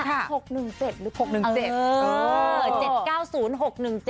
๖๑๗หรือ๖๑๗